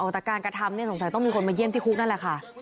แต่การกระทำสงสัยต้องมีคนมาเยี่ยมที่คุกนั่นแหละค่ะ